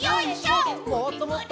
もっともっと！